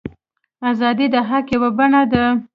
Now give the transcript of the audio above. ازادي د حق یوه بڼه ده.